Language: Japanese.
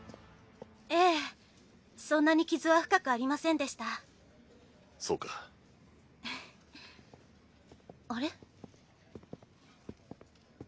ええそんなに傷は深くありませんでしたそうかふふっあれ？